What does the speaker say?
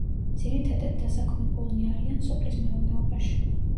ძირითადად დასაქმებულნი არიან სოფლის მეურნეობაში.